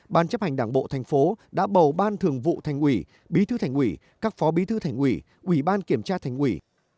ban chấp hành đảng bộ thành phố đã bầu ban thường vụ thành ủy bí thư thành ủy các phó bí thư thành ủy ủy ban kiểm tra thành ủy